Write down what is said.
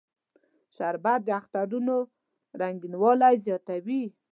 شربت د اخترونو رنگینوالی زیاتوي